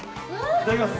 いただきます。